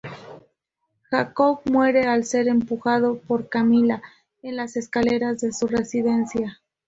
Jacobo muere al ser empujado por Camila en las escaleras de su residencia.